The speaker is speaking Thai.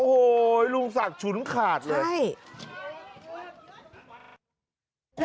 โอ้โหลุงศักดิ์ฉุนขาดเลยใช่